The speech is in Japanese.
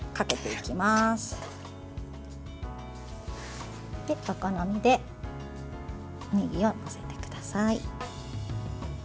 お好みで、ねぎを載せてください。